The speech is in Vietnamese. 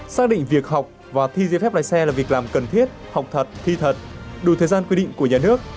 xác định việc học và thi giấy phép lái xe là việc làm cần thiết học thật thi thật đủ thời gian quy định của nhà nước